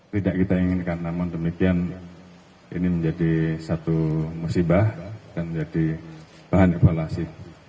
tidak kita inginkan namun demikian ini menjadi satu musibah dan menjadi bahan evaluasi